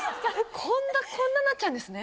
こんなこんななっちゃうんですね？